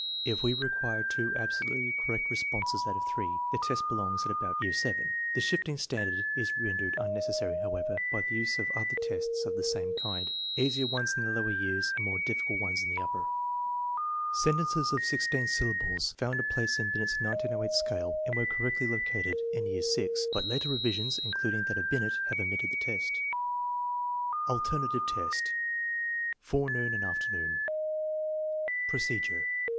If we require two absolutely correct responses out of three, the test belongs at about year VII. The shifting standard is ren dered unnecessary, however, by the use of other tests of the same kind, easier ones in the lower years and more difficult ones in the upper. Sentences of sixteen syllables found a place in Binet's 1908 scale and were correctly located in year VI, but later revisions, including that of Binet, have omitted the test. TEST NO. VI, ALTERNATIVE 187 VI. Alternative test: forenoon and afternoon Procedure.